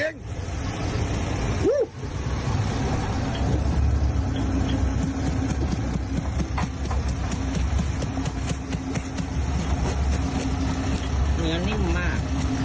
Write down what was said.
เนื้อนิ่มมาก